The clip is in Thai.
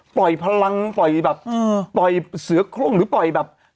พลังปล่อยแบบปล่อยเสือโครงหรือปล่อยแบบ